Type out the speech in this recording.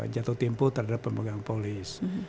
jatuh tempo terhadap pemegang polis